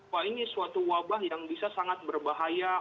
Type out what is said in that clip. wah ini suatu wabah yang bisa sangat berbahaya